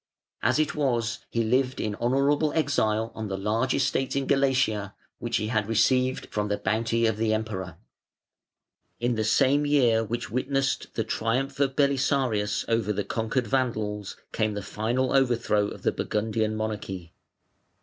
As it was, he lived in honourable exile on the large estates in Galatia, which he had received from the bounty of the Emperor. In the same year (534) which witnessed the triumph of Belisarius over the conquered Vandals came the final overthrow of the Burgundian monarchy.